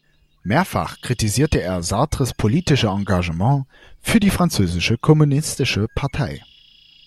Mehrfach kritisierte er Sartres politische Engagement für die französische Kommunistische Partei.